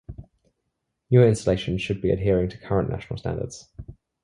Newer installations should be adhering to current National standards.